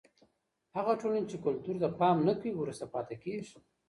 هغه ټولني چی کلتور ته پام نه کوي وروسته پاته کیږي.